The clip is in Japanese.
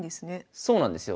そうなんですよ。